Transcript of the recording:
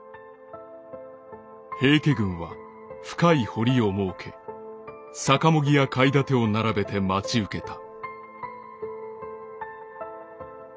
「平家軍は深い堀を設け逆茂木や垣楯を並べて待ち受けた」。